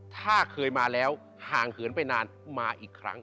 ถ้าเคยมาแล้วห่างเหินไปนานมาอีกครั้ง